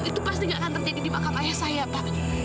itu pasti gak akan terjadi di makam ayah saya pak